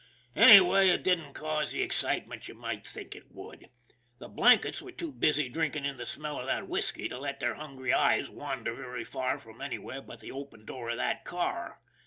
Anyway, it didn't cause the excitement you might think it would. The " blankets " were too busy drinking in the smell of that whisky to let their hungry eyes wander very far from anywhere but the open door of that car.